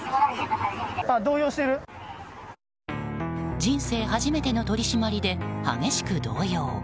人生初めての取り締まりで激しく動揺。